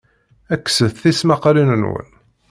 Kkset tismaqqalin-nwen.